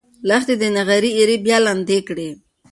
لښتې د نغري ایرې بیا لندې کړې.